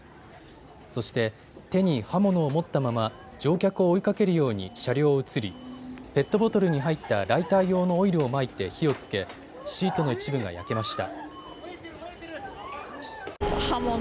そして、手に刃物を持ったまま乗客を追いかけるように車両を移りペットボトルに入ったライター用のオイルをまいて火をつけ、シートの一部が焼けました。